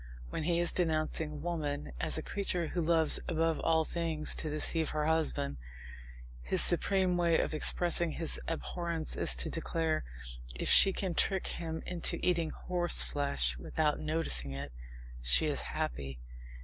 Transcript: When he is denouncing woman as a creature who loves above all things to deceive her husband, his supreme way of expressing his abhorrence is to declare: "If she can trick him into eating horse flesh without noticing it, she is happy."